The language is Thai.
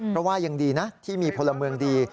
เพราะว่ายังดีนะที่มีพลเมืองดี